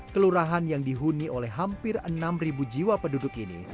kelurahan yang dihuni oleh hampir enam jiwa penduduk ini